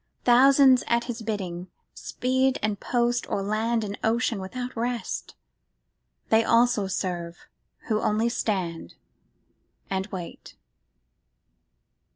Thousands at His bidding speed And post o'er land and ocean without rest : They also serve who only stand and wait.